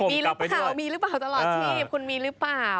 มีรึเปล่ามีรึเปล่าด้านหลักที่คุณมีหรือเปล่า